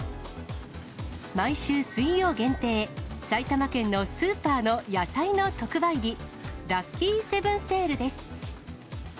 毎週水曜限定、埼玉県のスーパーの野菜の特売日、ラッキーセブンセールです。